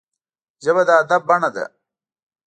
ژبه د ادب بڼه ده